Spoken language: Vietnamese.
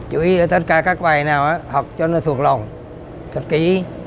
chú ý ở tất cả các bài nào học cho nó thuộc lòng thật kỹ